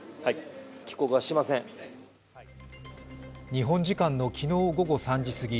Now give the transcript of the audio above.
日本時間の昨日午後３時すぎ